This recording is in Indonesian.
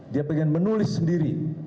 dia ingin menulis sendiri